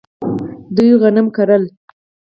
دوی غنم کرل.